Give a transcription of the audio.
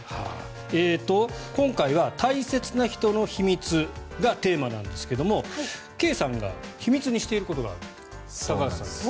今回は大切な人の秘密がテーマなんですけども圭さんが秘密にしていることがある高畑さんに。